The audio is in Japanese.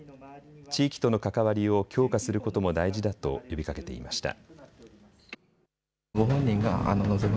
地域との関わりを強化することも大事だと呼びかけていました。